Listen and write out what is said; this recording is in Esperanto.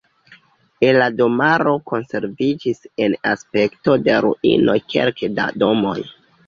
El la domaro konserviĝis en aspekto de ruinoj kelke da domoj.